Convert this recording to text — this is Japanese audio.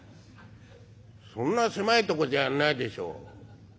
「そんな狭いとこじゃやんないでしょう。